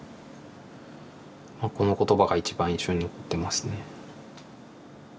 この言葉が一番印象に残ってますね。